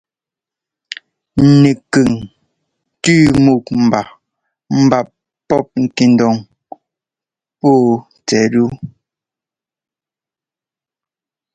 Nɛkʉŋ tʉ́ múk mbap pɔ́p ŋkɛndoŋ pɔ́ tsɛt tú.